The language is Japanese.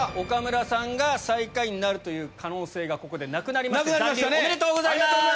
岡村さんが最下位になるという可能性がここでなくなりまして残留おめでとうございます！